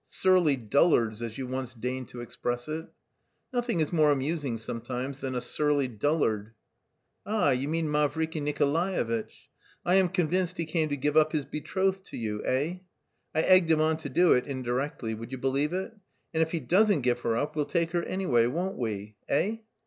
"'Surly dullards,' as you once deigned to express it." "Nothing is more amusing sometimes than a surly dullard." "Ah, you mean Mavriky Nikolaevitch? I am convinced he came to give up his betrothed to you, eh? I egged him on to do it, indirectly, would you believe it? And if he doesn't give her up, we'll take her, anyway, won't we eh?"